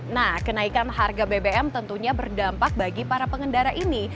nah kenaikan harga bbm tentunya berdampak bagi para pengendara ini